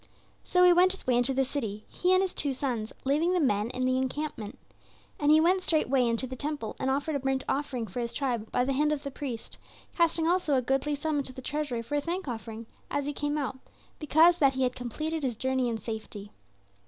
So he went his way into the city, he and his two sons, leaving the men in the encampment. And he went straightway into the temple and offered a burnt offering for his tribe by the hand of the priest, casting also a goodly sum into the treasury for a thank offering, as he came out, because that he had completed his journey in safety.